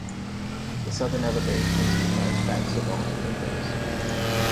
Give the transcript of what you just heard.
The southern elevations comprised banks of awning windows.